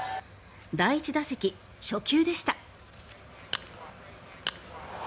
第１打席、初球でした。